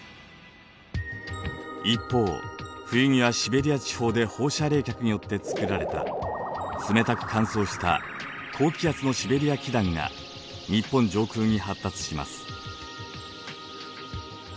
一方冬にはシベリア地方で放射冷却によってつくられた冷たく乾燥した高気圧のシベリア気団が日本上空に発達します。